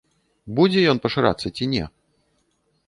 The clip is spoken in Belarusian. Будзе ён пашырацца ці не?